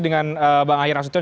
dengan bang ayer rasulullah